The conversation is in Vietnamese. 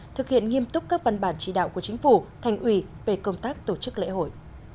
thực hiện nghiêm túc các văn bản chỉ đạo của chính phủ thành ủy về công tác tổ chức lễ hội